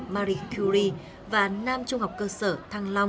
mercury và nam trung học cơ sở thăng long